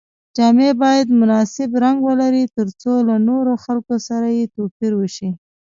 جامې باید مناسب رنګ ولري تر څو له نورو خلکو سره یې توپیر وشي.